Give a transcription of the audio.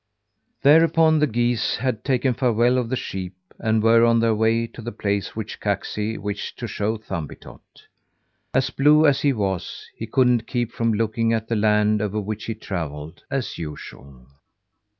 Thereupon the geese had taken farewell of the sheep, and were on their way to the place which Kaksi wished to show Thumbietot. As blue as he was, he couldn't keep from looking at the land over which he travelled, as usual.